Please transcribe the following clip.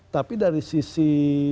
tapi dari sisi